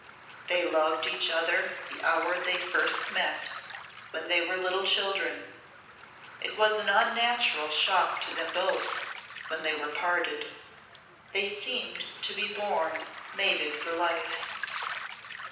"They loved each other the hour they first met when they were little children. It was an unnatural shock to them both when they were parted. They seemed to be born mated for life."